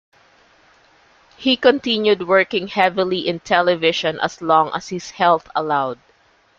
He continued working heavily in television as long as his health allowed.